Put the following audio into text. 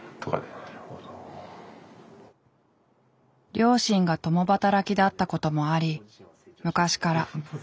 両親が共働きだったこともあり昔からおじいちゃん子。